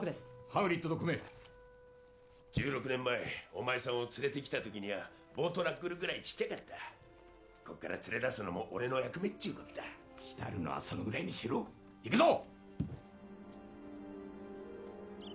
ハグリッドと組め１６年前お前さんを連れて来た時にゃあボウトラックルぐらいちっちゃかったこっから連れ出すのも俺の役目っちゅうこった浸るのはそのぐらいにしろ行くぞ！